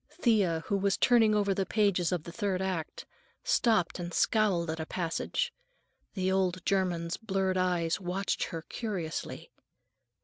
Thea, who was turning over the pages of the third act, stopped and scowled at a passage. The old German's blurred eyes watched her curiously.